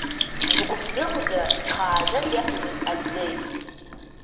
Дгәыбзыӷӡа, дхааӡа диацәажәон аӡӡеи.